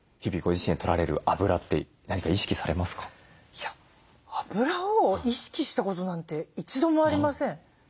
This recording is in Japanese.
いやあぶらを意識したことなんて一度もありません。